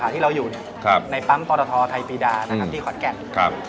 ที่เราอยู่เนี่ยครับในปั๊มตอตทไทยปีดานะครับอืมที่ขอดแก่นครับ